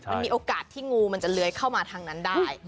มันมีโอกาสที่งูมันจะเลื้อยเข้ามาทางนั้นได้